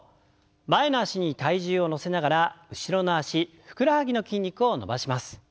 前の脚に体重を乗せながら後ろの脚ふくらはぎの筋肉を伸ばします。